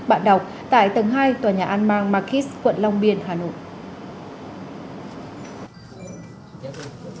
bạn đọc tại tầng hai tòa nhà an mang marquis quận long biên hà nội